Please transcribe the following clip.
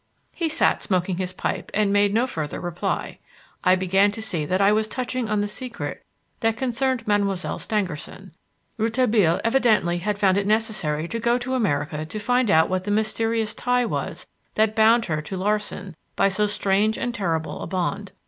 He sat smoking his pipe, and made no further reply. I began to see that I was touching on the secret that concerned Mademoiselle Stangerson. Rouletabille evidently had found it necessary to go to America to find out what the mysterious tie was that bound her to Larsan by so strange and terrible a bond.